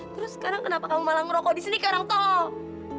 terus sekarang kenapa kamu malah ngerokok disini karangtol